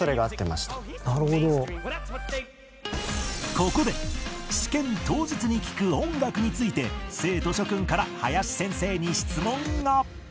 ここで試験当日に聴く音楽について生徒諸クンから林先生に質問が